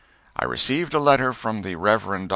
] I received a letter from the Rev. Dr.